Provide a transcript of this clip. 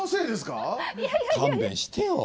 勘弁してよ。